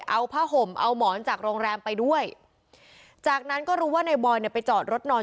เอาผ้าห่มเอาหมอนจากโรงแรมไปด้วยจากนั้นก็รู้ว่านายบอยเนี่ยไปจอดรถนอน